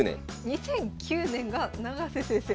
２００９年が永瀬先生